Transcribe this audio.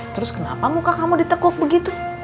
terus kenapa muka kamu ditekuk begitu